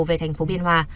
về thành phố biên hòa